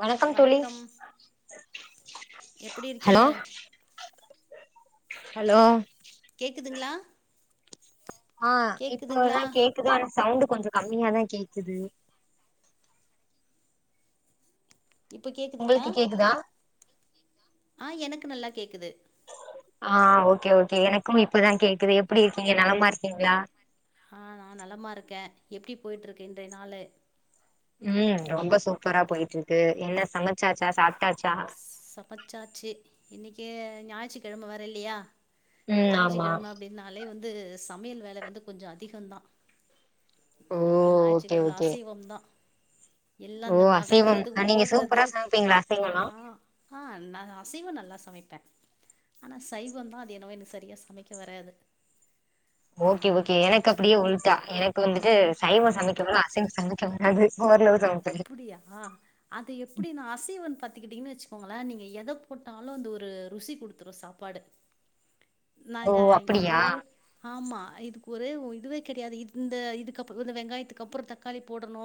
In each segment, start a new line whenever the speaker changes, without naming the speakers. வணக்கம் தோழி
எப்படி இருக்கீங்க
ஹலோ ஹலோ
கேக்குதுங்ளா
ஆ இப்போதா கேக்குது ஆனா சவுண்ட் கொஞ்சோ கம்மியாதா கேக்குது
இப்ப கேட்குதுங்ளா
உங்களுக்கு கேக்குதா
ஆ எனக்கு நல்லா கேக்குது
ஆ ஓகே ஓகே எனக்கும் இப்பதா கேக்குது எப்டி இருக்கீங்க நலமா இருக்கீங்ளா
ஆ நா நல்லமா இருக்கே எப்டி போய்ட்ருக்கு இன்றைய நாளு
ம் ரொம்ப சூப்பரா போயிட்ருக்கு என்ன சமச்சாச்சா சாப்டாச்சா
சமச்சாச்சு இன்னிக்கு ஞாயிற்றுக்கிழம வேற இல்லயா
ம் ஆமா
ஞாயிற்றுக்கிழம அப்டினாலே வந்து சமையல் வேல வந்து கொஞ்சோ அதிகோ தா
ஓ
ஏனா
ஓகே
ஞாயிற்றுக்கிழமேல
ஓகே
அசைவம் தா எல்லா
ஓ
இந்த
அசைவம்
நடக்குற்து
நீங்க சூப்பரா
ஓட்றது
சமைப்பீங்களா அசைவம்லா
ஆ ஆ நா அசைவோ நல்லா சமப்பே ஆனா சைவோதா அது என்னவோ எனக் சரியா சமக்க வராது
ஓகே
அது
ஓகே எனக் அப்டியே
ஞாயிற்றுக்கிழம
உல்டா எனக் இப்ப வந்துட்டு
ஆ
சைவோ சமைக்கோனா அசைவோ சமைக்க வராது ஓர்ளவு சமைப்ப
அப்டியா அது எப்டி நா அசைவோ பாத்துக்கிட்டிங்கன்னு வச்சுகோங்களே நீங்க எத போட்டாலோ அந்த ஒரு ருசி குடுத்துறு சாப்பாடு நா
ஓ
இந்தாயி
அப்டியா
ஒரு ஆமா இதுக்கு ஒரே ஒ இதுவே கெடயாது இந்த இதுக்கப்போ இந்த வெங்காயதுக்கு அப்றோ தக்காளி போடணு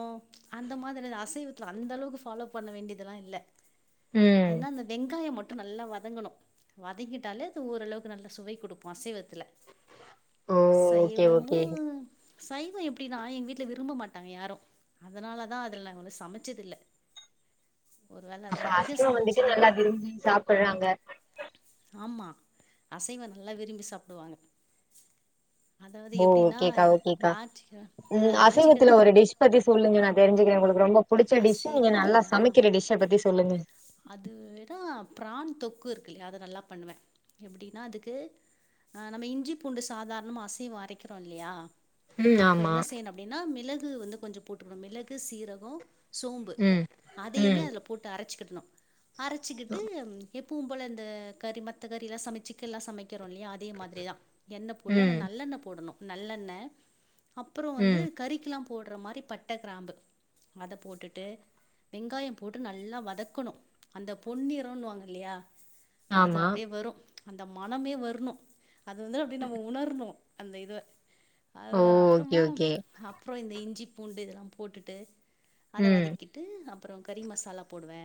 அந்த மாதிரி இல்ல அசைவத்துல அந்த அளவுக்கு ஃபாலோ பண்ண வேண்டியதெலா இல்ல
ம்
ஏனா அந்த வெங்காய மட்டோ நல்லா வதங்கணோ வதங்கிடாலே அது ஓரளவுக்கு நல்ல சுவை குடுக்கோ அசைவத்துல
ஓ ஓகே
சைவமு
ஓகே
சைவ எப்டினா எங்க வீட்ல விரும்ப மாட்டாங்க யாரு அதனால தா அதுல் நாங்க ஒன்னோ சமச்சதில்ல ஒரு வேள அத
அப்ப
அதிக
அசைவம் வந்துட்டு
சமச்சிருந்தா
நல்லா விரும்பி சாப்புட்றாங்க
ஆமா அசைவ நல்லா விரும்பி சாப்டுவாங்க அதாவது
ஓ
எப்டினா
ஓகேக்கா ஓகேக்கா
ஞாற்று நா
ம்
அ
அசைவத்துல
ஞாயிற்றுகெழம
ஒரு டிஷ் பத்தி சொல்லுங்க நா தெரிஞ்சுகுறே உங்களுக்கு ரொம்ப புடிச்ச டிஷ்ஷ நீங்க நல்லா
அசைவத்துலயா
சமைக்குற டிஷ்ஷ பத்தி சொல்லுங்க
அதுவேனா பிரான் தொக்கு இருக்கு இல்லியா அத நல்லா பண்ணுவே எப்டினா அதுக்கு நம்ப இஞ்சி பூண்டு சாதார்ணமா அசைவோ அரக்கிறோ இல்லியா
ம்
அப்ப
ஆமா
என்ன செய்ணோ அப்டினா மிளகு வந்து கொஞ்சோ போட்டுக்ணோ மிளகு சீரகோ சோம்பு
ம்
அதையுமே
ம்
அதுல போட்டு அரச்சிக்கிட்ணோ அரச்சிகிட்டு எப்பவு போல இந்த கறி மத்த கறி எல்லா சமைச்சு சிக்கன் எல்லா சமைக்கிறோ இல்லையா அதே மாதிரிதா எண்ணெய் போட்டு ஆனா
ம்
நல்லெண்ண போடணு நல்லெண்ண அப்பறோ வந்து
ம்
கறிக்கெலா போடுற மாரி பட்ட கிராம்பு அத போட்டுட்டு வெங்காயோ போட்டு நல்லா வதக்கணு அந்த பொன்னிறன்னுவாங்க இல்லையா அது
ஆமா
அப்டியே வரு அந்த மனமே வரணு அது வந்து அப்டியே நம்ம உணரணு அந்த இது
ஓ
அது
ஓகே
அப்பறமா
ஓகே
ஹப் அப்பறோ இந்த இஞ்சி பூண்டு இதெல்லா போட்டுட்டு அத
ம்
வதக்கிட் டு அப்பறோ கறி மசாலா போடுவே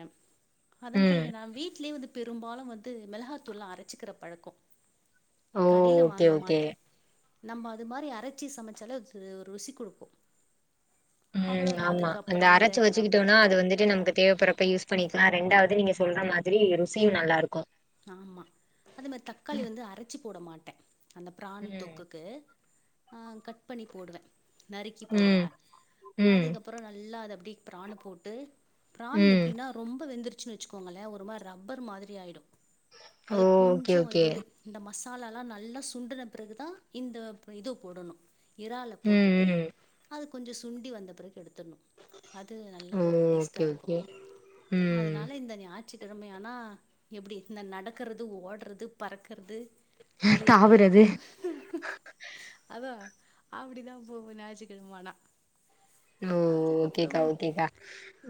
அதன்
ம்
பிறகு நா வீட்லயே வந்து பெரும்பாலு வந்து மிளகாத்தூள்லா அரைச்சிக்கிற பழக்கோ
ஓ
கடைல
ஓகே
வாங்க
ஓகே
மாட்டே நம்ம அது மாரி அரச்சி சமைச்சாலே அது ஒரு ருசி குடுக்கு
ம் ஆமா அந்த
அதுக்கப்புறம் இந்த
அரச்சு
ப்ரான்ஸ்
வச்சுக்கிட்டோனா அது வந்துட்டு நமக்கு தேவைப்படுற ப்ப யூஸ் பண்ணிக்கலா ரெண்டாவது நீங்க சொல்ற மாதிரி ருசியு நல்லா இருக்கு
ஆமா அதே மாரி தக்காளி வந்து அரச்சி போட மாட்டே அந்த பிரான்
ம்
தொக்குக்கு அ கட் பண்ணி போடுவே நறுக்கி போடுவே
ம் ம்
அதுக்கப்பறோ நல்லா அத அப்டி பிரான் போட்டு பிரான் எப்
ம்
டினா ரொம்ப வெந்துருச்சு வச்சுக்கோங்களே ஒரு மாரி ரப்பர் மாரி ஆயிடு
ஓ
அது
ஓகே
கொஞ்சோ
ஓகே
இதுவலே இந்த மசாலாலா நல்லா சுண்டுன பெறகு தா இந்த இது போடணு இறால
ம்
போட்டுட்டு
ம்
அது கொஞ்சோ சுண்டி வந்த பெறகு எடுத்துருணு அது நல்ல
ஓ
ஒரு டேஸ்டா
ஓகே
இருக்கு
ஓகே ம்
அதனால இந்த ஞா யிற்று கெழம ஆனா எப்டி இந்த நடக்குறது ஓடுறது பறக்குறது அது எல்லா
தாவுறது
ருக்கு அதா அப்டிதா போகு ஞாயிற்றுக்கெழம ஆனா
ஓ ஓகேக்கா
அதுக்கப்புறம்
ஓகேக்கா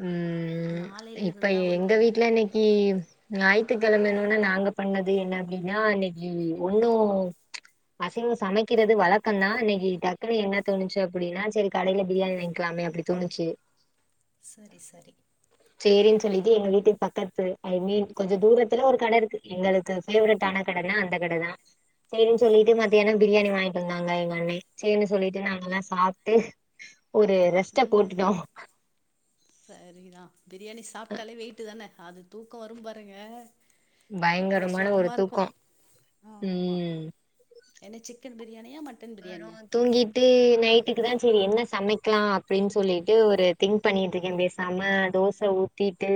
ம்
நாளையில
இப்ப
இருந்துதா வந்து
எங்க வீட்ல இன்னைக்கி ஞாயித்துக்கெழமனோன நாங்க பண்ணது என்ன அப்டின்னா இன்னைக்கி ஒண்ணு அசைவோ சமைக்கிறது வழக்கந் தா இன்னைக்கி டக்குனு என்ன தோணுச்சு அப்டின்னா செரி கடைல பிரியாணி வாங் க்கிலாமே அப்டி தோணுச்சு
செரி செரி
சேரின்னு சொல்லிட்டு எங்க வீட்டு பக்கத்து ஐ மீன் கொஞ்ச தூரத்துல ஒரு கட இருக்கு எங்களுக்கு ஃபேவரட்டான கடனா அந்த கட தா செரின்னு
ஆ
சொல்லிட்டு மதியானம் பிரியாணி வாங்கிட்டு வந்தாங்க எங்க அண்ணே செரின்னு சொல்லிட்டு நாங்கல்லா சாப்ட்டு ஒரு ரெஸ்ட்ட போட்டுட்டோ
செரிதா பிரியாணி சாப்ட்டாலே வெயிட்டு தான அது தூக்கோ வரும் பாருங்க அவ்ளோ
பயங்கரமான ஒரு
சுகமா இருக்கு
தூக்கோ ம்
என்ன சிக்கன் பிரியாணியா மட்டன்
அப்றோ
பிரியாணியா
தூங்கிட்டு நைட்டுக்கு தா செரி என்ன சமைக்கலா அப்டின்னு சொல்லிட்டு ஒரு திங் பண்ணிட்டு இருக்க பேசாமா தோச ஊத்திட்டு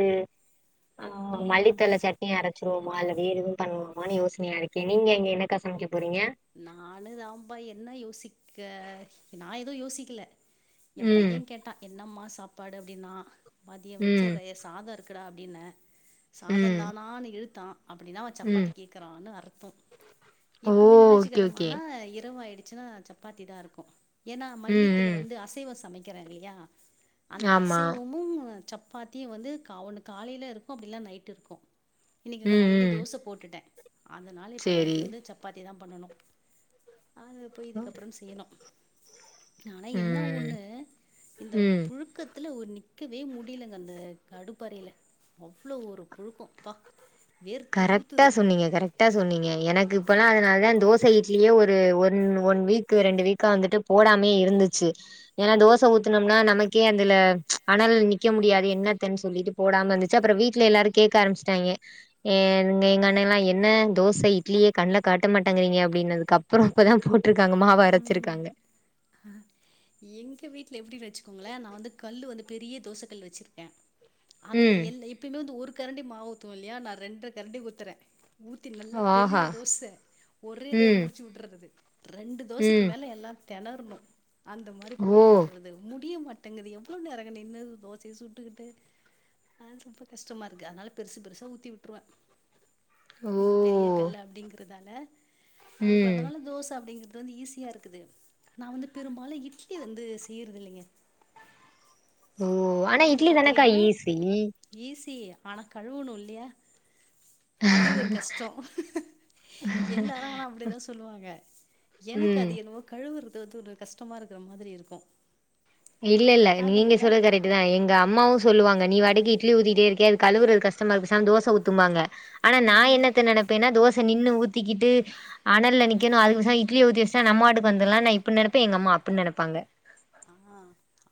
ம் மல்லித்தள சட் டினி அரச்சிருவோமா இல்ல வேறு எது பண்ணுவோமான்னு யோசனையா இருக்கே நீங்க அங்க என்னக்கா சமைக்கப் போறீங்க
நானு தாம்பா என்ன யோசிக்க நா எது யோசிக்கல எ
ம்
பையன் கேட்டான் என்னம்மா சாப்பாடு அப்டின்னா மதிய வச்ச
ம்
ரைஸ் சாதோ இருக்குடா அப்டின்ன சாதம்
ம்
தானான்னு இழுத்தான் அப்டின்னா அவ
ம்
சப்பாத்தி கே க்கறான்னு அர்த்தோ
ஓ
எப்போமே
ஓகே
ஞாயிற்றுக்கிழம
ஓகே
ஆனா இரவு ஆயிடுச்சுன்னா சப்பாத்தி தா இருக்கு ஏன்னா
ம்
மதியத்தில
ம்
வந்து அசைவம் சமைக்கிற இல்லையா அந்த
ஆமா
அசைவமு சப் சப்பாத்தியு வந்து கா ஒன்னு காலையில இருக்கு அப்டில்ல நைட்டு இருக்கு இன்னைக்கு
ம்
காலையில
ம்
தோச போட்டுட்ட அதனால இப்போ
சேரி
நைட்டு வந்து சப் பாத்தி தா பண்ணணு அத போய் இதுக்கப்பறோம் செய்யணு ஆனா என்னா
ம்
ஒண்ணு இந்த
ம்
புழுக்க த்துல ஒரு நிக்கவே முடியலங்க அந்த அடுப்பறையில அவ்ளோ ஒரு புழுக்கோ அப்பா
கரெக்டா சொன்னீங்க கரெக்டா சொன்னீங்க எனக்கு இப்பெல்லா
ஆமா
அதனால தா தோ ச இட்லியே ஒரு ஒன் ஒன் வீக்கு ரெண்டு வீக்கா வந்துட்டு போடாமே இருந்துச்சு ஏனா தோச ஊத்தனம்னா நமக்கே அதுல அனல்ல நிக்க முடியாது என்னத்தன் சொல்லிட்டு போடாம இருந்துச்சு அப்றோ வீட்ல எல்லாரு கேக்க ஆரம்பிச்சிட்டாங்க எங் எங்க அண்ணலா என்ன தோச இட்லியே கண்ணல காட்ட மாட்டாங்கறீங்க அப்டினதுக்கப் றோ இப்பதா போட்ருக்காங்க மாவ அரச்சிருக்காங்க
ஆ எங்க வீட்ல எப்டி வச்சுக்கோங்ளே நா வந்து கல் வந்து பெரிய தோச கல் வச்சிருக்க அதுல
ம்
எல்ல எப்பயுமே வந்து ஒரு கரண்டி மாவு ஊத்துவோ இல்லையா நா ரெண்ட்ர கரண்டி ஊத்தற ஊத்தி நல்லா
ஆஹா
பெரிய தோச ஒரேடியா
ம்
முடிச்சு விட்றது ரெண்டு தோசைக்கு
ம்
மேல எல்லா தெனரனு அந்த மாரி
ஓ
போட்டு வுட்ற து முடிய மாட்டேங்குது எவ்ளோ நேரங்க நின்னு தோசைய சுட்டுக்கிட்டு ஆதா ரொம்ப கஷ்டமா இருக்கு அதனால பெருசு பெருச ஊத்தி வுட்ருவ கொஞ்ச பெரிய
ஓ
கல் அப்டிங்கறதால அப்டி
ம்
பன்னாலு தோச அப்டிங்கிறது வந்து ஈஸியா இருக்குது நா வந்து பெரும்பாலு இட்லி வந்து செய்யறது இல்லைங்க
ஓ ஆனா
ஏன்னு
இட்லி தானக்கா
பாத்துக்கிட்டீங்கன்னா
ஈசி
ஈஸி ஆனா கழுவுணு இல்லியா அது ஒரு கஷ்டோ எல்லாரு ஆனா அப்டிதா சொல்வாங்க எனக்கு
ம்
அது என்னவோ கழுவுறது வந்து ஒரு கஷ்டமா இருக்கற மாதிரி இருக்கு
இல்லல்ல நீங்க
அதனால
சொல்றது கரெட் அதா எங்க அம்மாவு சொல்லுவாங்க நீ பாட்டுக்கு இட்லி ஊத்திட்டே இருக்கியே அது கழுவுறது கஷ்டமா இருக்கு தோச ஊத்தும்பாங்க ஆனா நா
ம்
என்னத்த நெனைப்பேனா தோச நின்னு ஊத்திக்கிட்டு அனல்ல நிக்கணு அதுக்கு பேசாம இட்லிய ஊத்தி வெச்சிட்டா நம்ம பாட்டுக்கு வந்திடலாம் நா இப்டி நெனப்பே எங்க அம்மா அப்டி நெனப்பாங்க
ஆ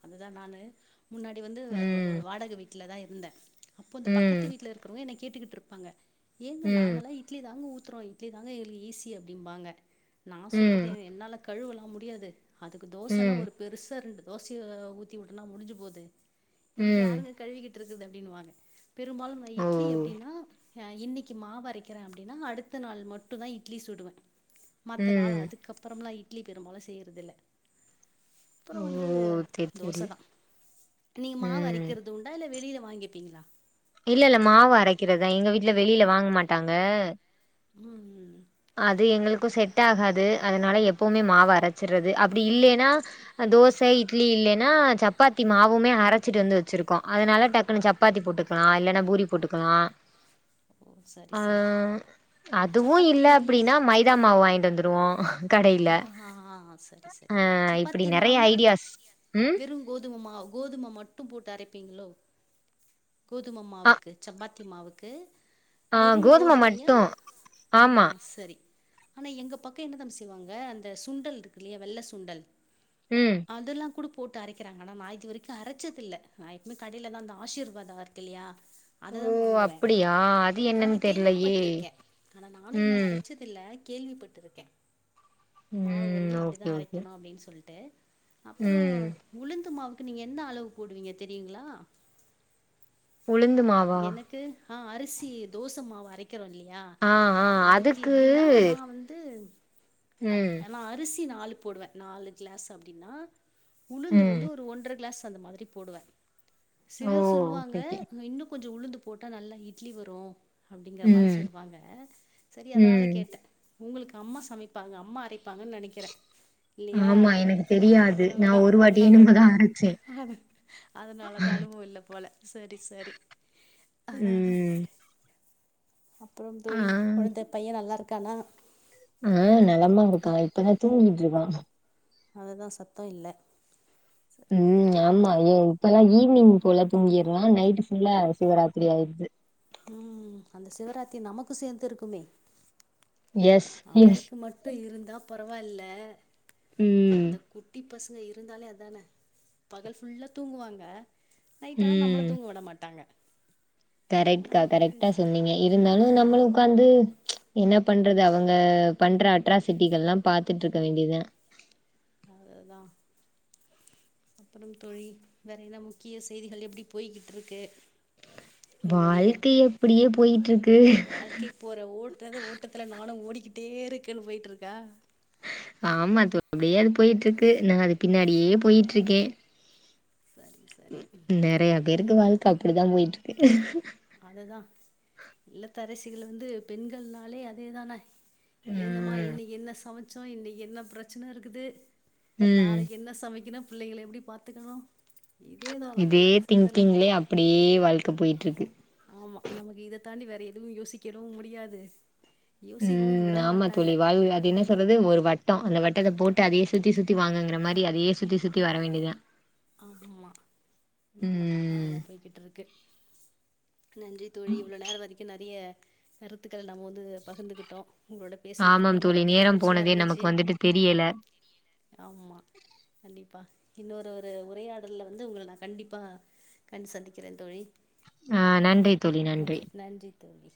அதுதா நானு முன்னாடி வந்து ஒரு
ம்
வாடகை வீட்லதா இருந்தே அப்போ இந்த பக்கத்து
ம்
வீட்ல இருக்கிறவங்க என்ன கேட்டுக்கிட்டு இருப்பாங்க ஏங்க
ம்
நாங்களா இட்லி தாங்க ஊத்துறோ இட்லி தாங்க ஈசி அப்டிம்பாங்க நா சொல்றது
ம்
என்னால கழுவலா முடியாது அதுக்கு தோசனா
ம்
ஒரு பெருசா ரெண்டு தோசய ஊத்தி வுட்டனா முடிஞ்சு போது இதுக்கு
ம்
யாருங்க கழுவிகிட்டு இருக்கறது அப்டின்னுவாங்க பெரும்பாலு
ஓ
இட்லி அப்டின்னா அ இன்னைக்கு மாவரைக்கிற அப்டின்னா அடுத்த நாள் மட்டுதா இட்லி சுடுவே மத்தநாள்
ம்
அதுக்கப்பறம்லா இட்லி பெரும்பாலு செய்யறது இல்ல
ஓ
அப்றம் வந்து
சேரி சேரி
தோச தா நீங்க மாவு
ம்
அரைக்கிறது உண்டா இல்ல வெளில வாங்கிப்பீங்களா
இல்ல இல்ல மாவு அரைக்கிறதா எங்க வீட்ல வெளில வாங்க மாட்டாங்க
ம் ம்
அது எங்களுக்கு செட் ஆகாது அதனால எப்போமே மாவு அரச்சறது அப்டி இல்லேனா தோச இட்லி இல்லேன்னா சப்பாத்தி மாவுமே அரச்சிட்டு வந்து வச்சிருக்கோ அதனால டக்குன்னு சப் பாத்தி போட்டுக்கலா இல்லேன்னா பூரி போட்டுக்கலா
ஓ சரி
அ
சரி
அதுவு இல்ல
சப்பாத்தி
அப்டின்னா மைதாமாவு வாங்கிட்டு வந்துருவோ கடையில
ஆ ஹா ஹா செரி செரி
ஆ இப்டி
சப்பாத்தி
நெறைய
மாவுனா
ஐடியாஸ் ம்
வெறு கோதும மா கோதும மட்டு போட்டு அரைப்பீங்ளோ கோதும
அ
மாவுக்கு சப்பா த்தி மாவுக்கு
ஆ
வெறும்
கோதும
கோதுமயா
மட்டு
ஆ
ஆமா
செரி ஆனா எங்க பக்கோ என்ன தம் செய்வாங்க அந்த சுண்டல் இருக்குல்லையா வெள்ள சுண்டல்
ம்
அதெல்லா கூட போட்டு அரைக்கிறாங்க ஆனா நா இதுவரைக்கு அரச்சது இல்ல நா எப்மே கடைலதா அந்த ஆசீர்வாதா இருக்கு இல்லயா
ஓ
அதுதா வாங்குவே
அப்டியா அது
ஆனா
என்னன்னு தெர்லயே
கேள்விப்பட்ருக்கே ஆனா நானு இன்னு
ம்
அரச்ச இல்ல கேள்விப்பட்ருக்கேன் மாவு
ம்
வந்து
ஓகே
இப்டிதான்
ஓகே
அரைக்கணும் அப்டின்னு சொல்லிட்டு அப்றம்
ம்
உளுந்துமாவுக்கு நீங்க எந்த அளவு போடுவீங்க தெரிங்களா
உளுந்து மாவா
எனக்கு ஆ அரிசி தோசைமாவ அரைக்கிறோம் இல்லையா
ஆ ஆ
அதுக்கு எப்டின்னா நான் வந்து
ம்
னா அரிசி நாலு போடுவேன் நாலு கிளாஸ் அப்டின்னா உளுந்து
ம்
வந்து ஒரு ஒன்றரை கிளாஸ் அந்த மாரி போடுவேன்
ஓ
சிலர் சொல்லுவாங்க
ஓகே ஓகே
இன்னும் கொஞ்சம் உளுந்து போட்டா நல்லா இட்லி வரும் அப்டிங்கிற மாரி
ம்
சொல்லுவாங்க செரி அதனால்
ம்
கேட்டேன் உங்களுக்கு அம்மா சமைப்பு ப்பாங்க அம்மா அறைப்பாங்கன்னு நெனைக்கிறேன் இல்லையா
ஆமா எனக்கு தெரியாது நா
அதனாலதான்
ஒரு வாட்டி
அதனாலதான்
என்னமோதா அரச்சே
அதுனாலது அனுபவம் இல்ல போல செரி செரி
ம்
அப்றம்
ஆ
தோழி கொழந்த பையன் நல்லா இருக்கானா
ஆ நலமா இருக்கான் இப்பதான் தூங்கிட்டு இருக்கான்
அததான் சத்தம் இல்லை
ம் ஆமா ஏன் இப்பல்லாம் ஈவினிங் போல தூங்கிறான் நைட்டு ஃபுல்ல சிவராத்திரி ஆயிடுது
ம் அந்த சிவராத்திரி நமக்கு சேர்ந்து இருக்குமே
எஸ் எஸ்
அவருக்கு மட்டும் இருந்தா பரவால்ல
ம்
இந்த குட்டி பசங்க இருந்தாலே அதானே பகல் ஃபுல்லா தூங்குவாங்க நைட் ஆனா
ம்
நம்மள தூங்க விட மாட்டாங்க
கரெக்ட் கா
நமக்கு
கரெக்டா சொன்னீங்க இருந்தாலு
நமக்கு அதே
நம்மலு உக்காந்து என்ன பண்றது அவங்க பண்ணுற அட்ராசிட்டிகல்லா பாத்துட்டு இருக்க வேண்டியத
அதுதா அப்புறம் தோழி வேற என்ன முக்கிய செய்திகள் எப்டி போயிகிட்டு இருக்கு உங்களுடைய
வாழ்க்கை எப்டியே போயிட்டு இருக்கு
வாழ்க்கை போற ஓட்டுறது ஓட்டத்துல நானு ஓடிக்கிட்டே இருக்கேன்னு போயிட்டுருக்கா
ஆமா தோ அப்டியே அது போயிட்டு இருக்கு நா அது பின்னாடியே போயிட்டுருக்கே
சரி
நிறைய பேருக்கு
எங்க
வாழ்க்க அப்டிதா போயிட்ருக்கு
அதுதா இல்லத்தரசிகள் வந்து பெண்கள்னாலே அதேதானே எழுந்த மா
ம்
இன்னைக்கு என்ன சமச்சோ இன்னைக்கு என்ன பிரச்சன இருக்குது
ம்
நாளைக்கு என்ன சமைக்கணு பிள்ளைங்கள எப்டி பாத்துக்கணு இதேதா நம்மளுடைய சிந்தனை
அப்டியே வாழ்க்க போயிட்ருக்கு
ஆமா நமக்கு இத தாண்டி வேற எதுவு யோசிக்கிடவு முடியாது யோசிக்கவு விட
ம் ஆமா
மாட்டாங்க
தோழி வாயு அது என்ன றது ஒரு வட்டோ அந்த வட்டத்த போட்டு அதையே சுத்தி சுத்தி வாங்கங்கிற மாரி அதையே சுத்தி சுத்தி வர வேண்டியதுதா
ஆமா கண்டிப்பா
ம்
அப்டிதா போயிகிட்டு இருக்கு நன்றி தோழி இவ்ளோ நேரோ வரைக்கு நெறைய கருத்துக்கள் நம்ம வந்து பகிர்ந்துகிட்டோ உங்களோட பேசுனது வந்து
ஆமாம்
எனக்கு
தோழி
ரொம்ப
நேரம்
மகிழ்ச்சியா
போனதே
இருந்துச்சு
நமக்கு வந்துட்டு தெரியல
ஆமா கண்டிப்பா இன்னோரு உரையாடல்ல வந்து உங்கள நா கண்டிப்பா கண்டு சந்திக்கிறே தோழி
ஆ நன்றி தோழி
நன்றி நன்றி தோழி